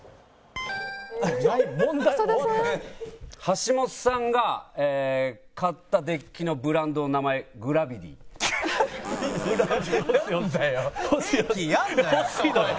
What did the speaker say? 橋本さんが買ったデッキのブランドの名前なんだよ。